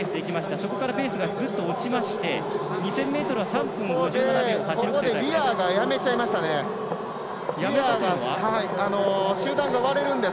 そこからペースがぐっと落ちまして２０００ｍは３分５８秒８６です。